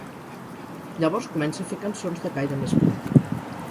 Llavors comença a fer cançons de caire més polític.